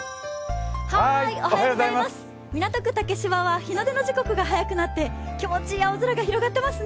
港区竹芝は日の出の時刻が早くなって気持ちいい青空が広がってますね。